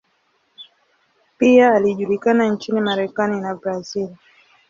Pia alijulikana nchini Marekani na Brazil.